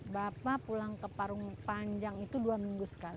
bapak pulang ke parung panjang itu dua minggu sekali